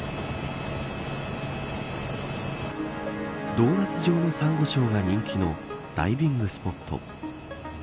ドーナツ状のサンゴ礁が人気のダイビングスポット。